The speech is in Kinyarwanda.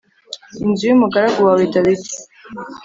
inzu y umugaragu wawe Dawidi